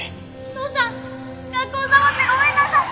父さん学校サボってごめんなさい。